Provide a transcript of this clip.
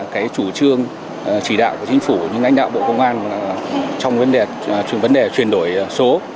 cái chủ trương chỉ đạo của chính phủ những anh đạo bộ công an trong vấn đề truyền đổi số